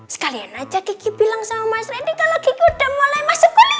sekalian aja kiki bilang sama mas randy kalau gigi udah mulai masuk kuliah